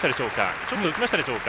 ちょっと浮きましたでしょうか。